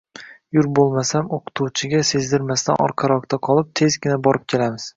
Yur bo`lmasam, o`qituvchiga sezdirmasdan orqaroqda qolib, tezgina borib kelamiz